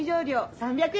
３００円？